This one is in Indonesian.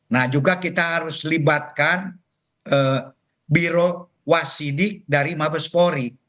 nah juga kita harus libatkan biro wasidik dari mabespori